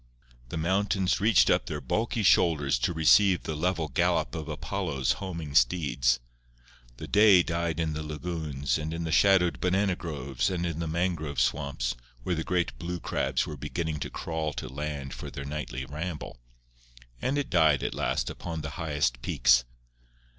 The mountains reached up their bulky shoulders to receive the level gallop of Apollo's homing steeds, the day died in the lagoons and in the shadowed banana groves and in the mangrove swamps, where the great blue crabs were beginning to crawl to land for their nightly ramble. And it died, at last, upon the highest peaks.